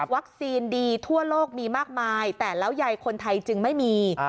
ดีทั่วโลกมีมากมายแต่แล้วใยคนไทยจึงไม่มี